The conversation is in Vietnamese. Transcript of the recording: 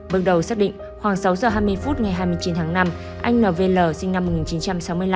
bước đầu xác định khoảng sáu h hai mươi phút ngày hai mươi chín tháng năm anh l v l sinh năm một nghìn chín trăm sáu mươi năm